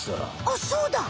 あっそうだ。